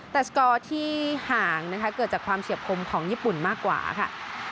แต่สกอร์ที่ห่างนะคะเกิดจากความเฉียบคมของญี่ปุ่นมากกว่าค่ะ